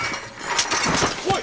おい！